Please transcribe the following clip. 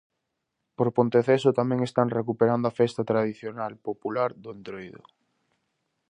Por Ponteceso tamén están recuperando a festa tradicional popular do Entroido.